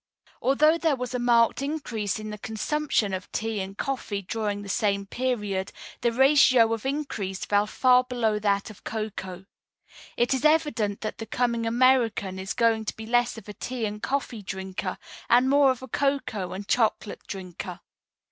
Although there was a marked increase in the consumption of tea and coffee during the same period, the ratio of increase fell far below that of cocoa. It is evident that the coming American is going to be less of a tea and coffee drinker, and more of a cocoa and chocolate drinker.